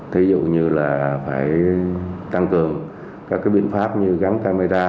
thí dụ như là phải tăng cường các biện pháp như gắn camera gửi tài sản